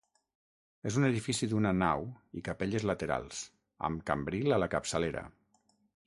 És un edifici d'una nau i capelles laterals, amb cambril a la capçalera.